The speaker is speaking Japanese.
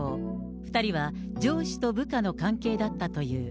２人は上司と部下の関係だったという。